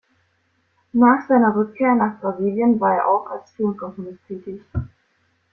Nach seiner Rückkehr nach Brasilien war er auch als Filmkomponist tätig.